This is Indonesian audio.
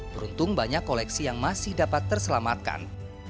beruntung banyak koleksi yang masih dapat terselamatkan